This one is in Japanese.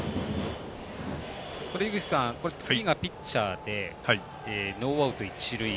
井口さん、次がピッチャーでノーアウト、一塁。